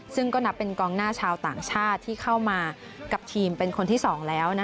ซึ่งก็นับเป็นกองหน้าชาวต่างชาติที่เข้ามากับทีมเป็นคนที่๒แล้ว